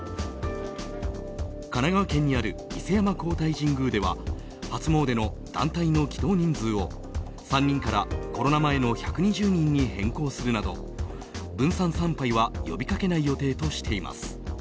神奈川県にある伊勢山皇大神宮では初詣の団体の祈祷人数を３人からコロナ前の１２０人に変更するなど分散参拝は呼びかけない予定としています。